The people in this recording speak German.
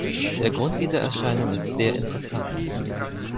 Der Grund dieser Erscheinung ist sehr interessant.